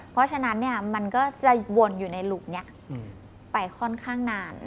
เพราะฉะนั้นมันก็จะวนอยู่ในหลุมนี้ไปค่อนข้างนาน